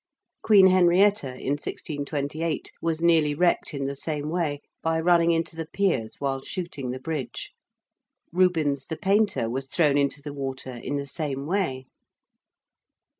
Queen Henrietta, in 1628, was nearly wrecked in the same way by running into the piers while shooting the Bridge. Rubens the painter was thrown into the water in the same way.